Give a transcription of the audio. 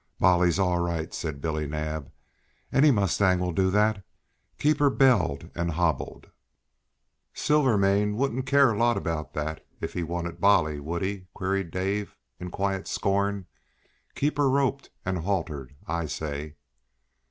"Bolly's all right," said Billy Naab. "Any mustang will do that. Keep her belled and hobbled." "Silvermane would care a lot about that, if he wanted Bolly, wouldn't he?" queried Dave in quiet scorn. "Keep her roped and haltered, I say."